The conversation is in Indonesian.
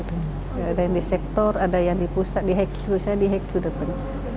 ada yang di sektor ada yang di pusat di hq saya di hq depan